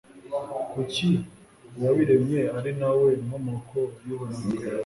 kuko uwabiremye ari na we nkomoko y'uburanga